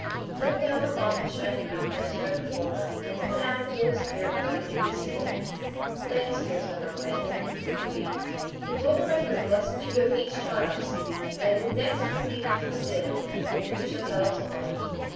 Then down along the shining pathway spread before her, the happy little Spirit glided to the sea. "Thanks, dear Summer Wind," said the Queen; "we will remember the lessons you have each taught us, and when next we meet in Fern Dale, you shall tell us more.